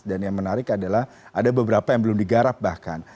dan yang menarik adalah ada beberapa yang belum digarap bahkan